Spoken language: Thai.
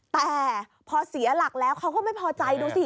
แต่พอเสียหลักแล้วเขาก็ไม่พอใจดูสิ